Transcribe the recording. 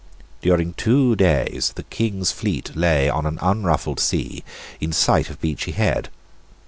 During two days the King's fleet lay on an unruffled sea in sight of Beachy Head.